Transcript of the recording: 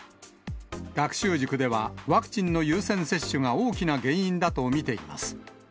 学習塾では、ワクチンの優先接種が大きな原因だと見ています。